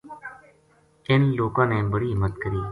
اِنھ لوکاں نے بڑی ہمت کری